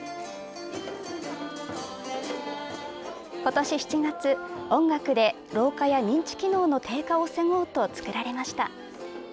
今年７月、音楽で老化や認知機能の低下を防ごうと作られました。